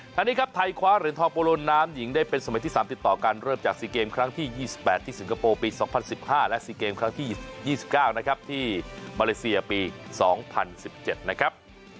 ทางนี้ครับไทยคว้าเหรียญทองโปโลนน้ำหญิงได้เป็นสมัยที่๓ติดต่อกันเริ่มจาก๔เกมครั้งที่๒๘ที่สิงคโปร์ปี๒๐๑๕และ๔เกมครั้งที่๒๙นะครับที่มาเลเซียปี๒๐๑๗นะครับ